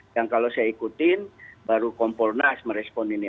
dan kalau saya ikutin baru kompol nas merespon ini